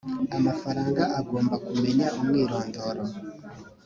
amafaranga agomba kumenya umwirondoro